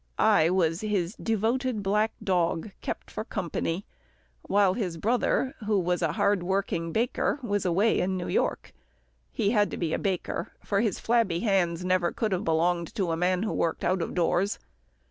I was his devoted black dog, kept for company, while his brother, who was a hard working baker, was away in New York. He had to be a baker, for his flabby hands never could have belonged to a man who worked out of doors.